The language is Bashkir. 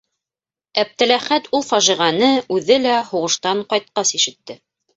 - Әптеләхәт ул фажиғәне үҙе лә һуғыштан ҡайтҡас ишетте.